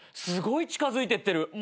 すごい近づいてってる。